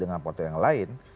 dengan partai yang lain